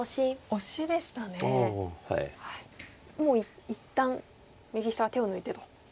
もう一旦右下は手を抜いてと。